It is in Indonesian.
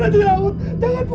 amur ampun ampun